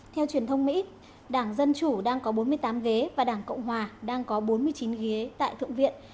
theo truyền thông mỹ đảng dân chủ đang có bốn mươi tám ghế và đảng cộng hòa đang có bốn mươi chín ghế tại thượng viện